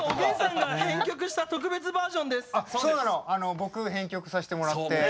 僕編曲させてもらって。